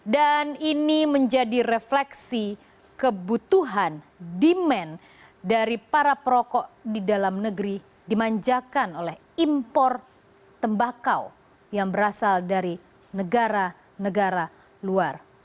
dan ini menjadi refleksi kebutuhan demand dari para perokok di dalam negeri dimanjakan oleh impor tembakau yang berasal dari negara negara luar